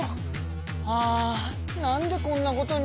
あなんでこんなことに。